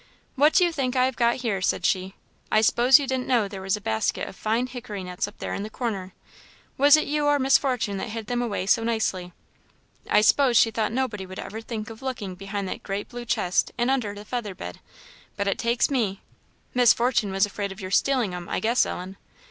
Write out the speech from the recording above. "What do you think I have got here?" said she, "I s'pose you didn't know there was a basket of fine hickory nuts up there in the corner? Was it you or Miss Fortune that hid them away so nicely? I s'pose she thought nobody would ever think of looking behind that great blue chest and under the feather bed, but it takes me! Miss Fortune was afraid of your stealing 'em, I guess, Ellen?"